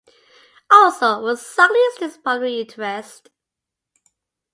Also, what exactly is this public interest?